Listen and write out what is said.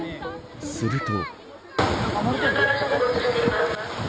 すると。